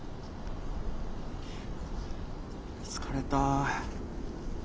疲れた。